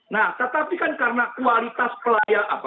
nah tetapi kan karena kualitas pelayanan